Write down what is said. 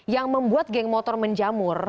yang membuat geng motor menjamur